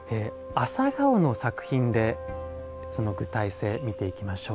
朝顔の作品でその具体性見ていきましょう。